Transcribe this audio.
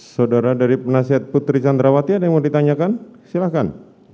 saudara dari penasihat putri candrawati ada yang mau ditanyakan silahkan